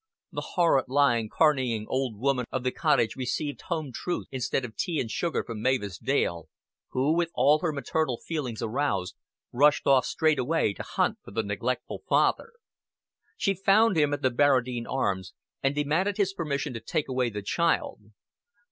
The horrid, lying, carneying old woman of the cottage received home truths instead of tea and sugar from Mavis Dale, who, with all her maternal feelings aroused, rushed off straightway to hunt for the neglectful father. She found him at the Barradine Arms, and demanded his permission to take away the child.